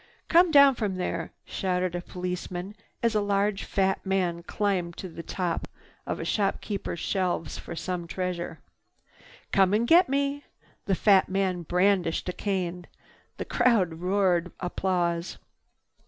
"Come down from there!" shouted a policeman as a large fat man climbed to the top of a shop keeper's shelves for some treasure. "Come and get me!" The fat man brandished a cane. The crowd roared applause.